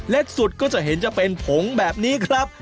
สุดก็จะเห็นจะเป็นผงแบบนี้ครับ